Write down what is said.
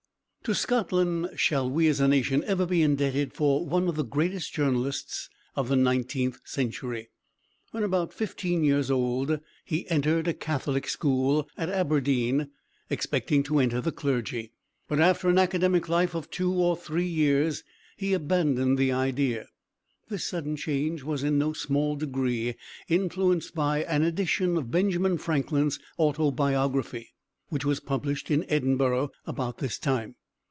To Scotland shall we as a nation ever be indebted for one of the greatest journalists of the nineteenth century. When about fifteen years old he entered a Catholic school at Aberdeen expecting to enter the clergy, but after an academic life of two or three years he abandoned the idea. This sudden change was in no small degree influenced by an edition of "Benjamin Franklin's Autobiography" which was published in Edinburgh about this time.